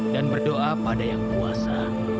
dan berdoa pada yang kuasa